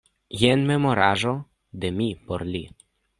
Jen memoraĵo de mi por li.